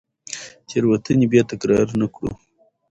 تېروتنې بیا تکرار نه کړو.